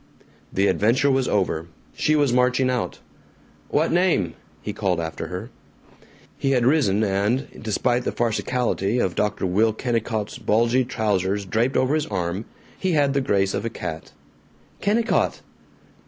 The adventure was over. She was marching out. "What name?" he called after her. He had risen and, despite the farcicality of Dr. Will Kennicott's bulgy trousers draped over his arm, he had the grace of a cat. "Kennicott."